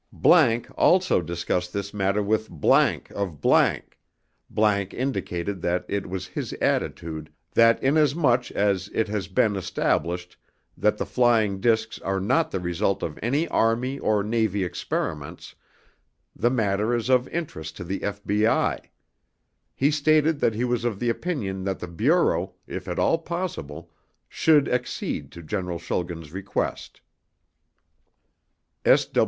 ____ also discussed this matter with ____ of ________ indicated that it was his attitude that inasmuch as it has been established that the flying disks are not the result of any Army or Navy experiments, the matter is of interest to the FBI. He stated that he was of the opinion that the Bureau, if at all possible, should accede to General Schulgen's request.